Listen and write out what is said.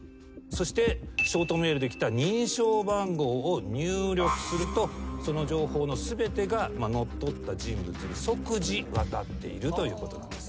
そしてショートメールで来た認証番号を入力するとその情報の全てが乗っ取った人物に即時渡っているということなんですね。